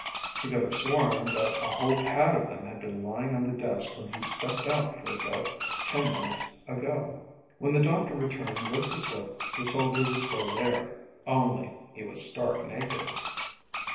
(He could have sworn that a whole pad of them had been lying on the desk when he'd stepped out for a bit ten minutes ago.) When the doctor returned with the slip the soldier was still there only he was stark naked.